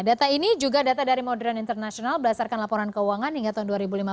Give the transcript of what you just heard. data ini juga data dari modern international berdasarkan laporan keuangan hingga tahun dua ribu lima belas